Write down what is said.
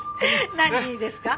何にですか？